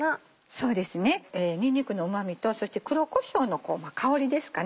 そうですねにんにくのうま味とそして黒こしょうの香りですかね。